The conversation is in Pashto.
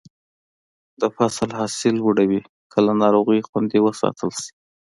د فصل حاصل لوړوي که له ناروغیو خوندي وساتل شي.